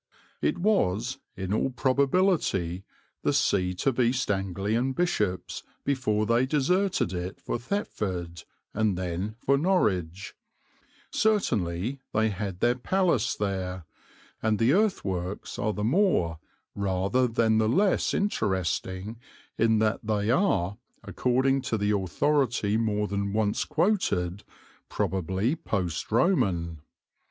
It was, in all probability, the seat of East Anglian bishops before they deserted it for Thetford, and then for Norwich; certainly they had their palace there, and the earthworks are the more rather than the less interesting in that they are, according to the authority more than once quoted, probably post Roman.